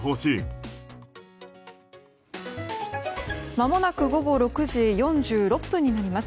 まもなく午後６時４６分になります。